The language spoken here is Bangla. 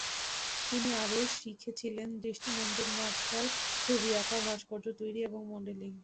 তিনি আরও শিখেছিলেন দৃষ্টিনন্দন নকশাকরা, ছবি আঁকা, ভাস্কর্য তৈরি এবং মডেলিং।